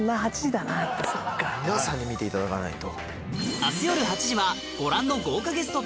皆さんに見ていただかないと。